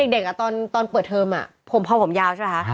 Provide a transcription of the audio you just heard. เด็กอะตอนเปิดเทอมพอผมยาวใช่ปะฮะ